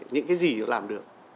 những cái gì nó làm được